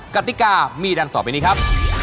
กติกามีดังต่อไปนี้ครับ